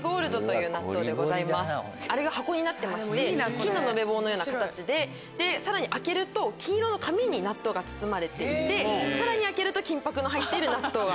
あれが箱になってまして金の延べ棒のような形でさらに開けると金色の紙に納豆が包まれていてさらに開けると金箔の入っている納豆が。